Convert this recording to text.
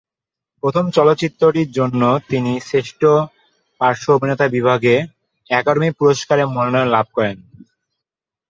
প্রথম চলচ্চিত্রটির জন্য তিনি শ্রেষ্ঠ পার্শ্ব অভিনেতা বিভাগে একাডেমি পুরস্কারের মনোনয়ন লাভ করেন।